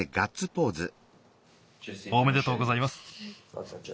おめでとうございます。